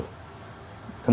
tentu saja secara terakhir